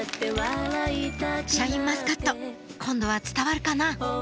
シャインマスカット今度は伝わるかな？